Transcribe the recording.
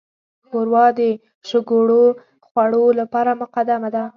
ښوروا د شګوړو خوړو لپاره مقدمه ده.